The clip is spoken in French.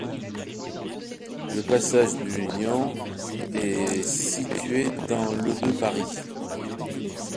Le passage de l'Union est situé dans le de Paris.